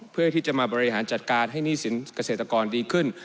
เพื่อที่จะมาบริหารจัดการให้หนี้สินเกษตรกรดีขึ้น